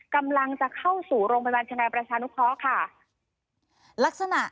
กำลังจะเข้าสู่โรงพยาบาลชนัยประชานุภาค่ะ